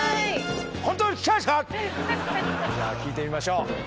じゃあ聞いてみましょう。